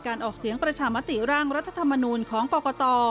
ออกเสียงประชามติร่างรัฐธรรมนูลของกรกต